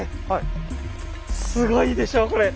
すごいでしょうこれ。